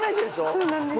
そうなんです